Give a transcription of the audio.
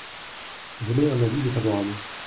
J’émets un avis défavorable.